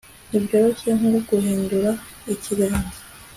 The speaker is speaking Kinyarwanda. Nibyoroshye nkuguhindura ikiganza